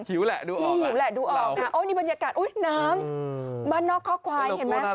หิวแหละดูออกหิวแหละดูออกค่ะโอ๊ยนี่บรรยากาศน้ำบ้านนอกคอกควายเห็นไหม